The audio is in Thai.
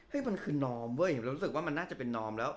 มันคือนอมเว้ยเรารู้สึกว่ามันน่าจะเป็นนอมแล้ว